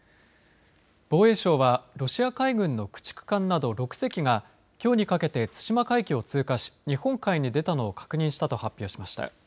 防衛省はロシア海軍の駆逐艦など６隻が、きょうにかけて対馬海峡を通過し日本海に出たのを確認したと発表しました。